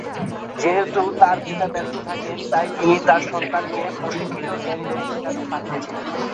যেহেতু তার পিতা ব্যস্ত থাকতেন, তাই তিনি তার সন্তানকে প্রশিক্ষিত জ্ঞানী লোকদের কাছে পাঠিয়েছিলেন।